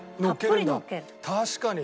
確かに！